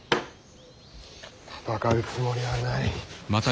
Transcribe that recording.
戦うつもりはない。